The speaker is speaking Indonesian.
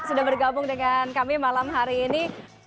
sudah bergabung dengan kami malam hari ini